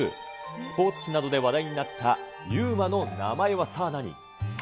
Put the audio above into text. スポーツ誌などで話題になったＵＭＡの名前は、さあ何？